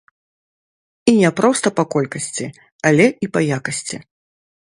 І не проста па колькасці, але і па якасці.